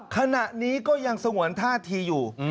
ขณะนี้ก็ยังสงวนท่าทีอยู่